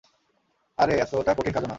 আরে এতোটা কঠিন কাজও না।